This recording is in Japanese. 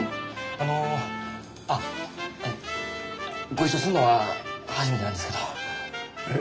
あのあっご一緒するのは初めてなんですけど。え？